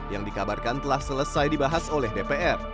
yang dikabarkan telah selesai dibahas oleh dpr